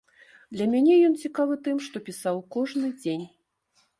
Для мяне ён цікавы тым, што пісаў кожны дзень.